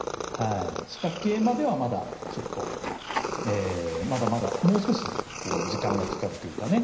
仕掛けまではまだちょっとまだまだもう少し時間がかかるというかね。